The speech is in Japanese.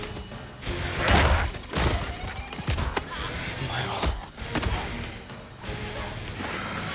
お前は。